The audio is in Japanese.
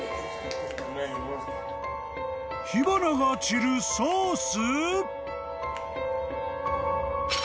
［火花が散るソース？］